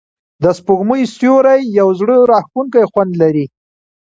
د سپوږمۍ سیوری یو زړه راښکونکی خوند لري.